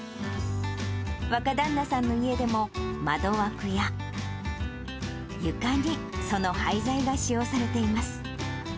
若旦那さんの家でも、窓枠や床に、その廃材が使用されています。